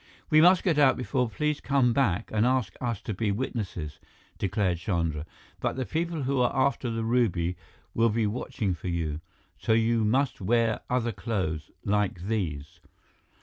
"We must get out before police come back and ask us to be witnesses," declared Chandra. "But the people who are after the ruby will be watching for you. So you must wear other clothes like these."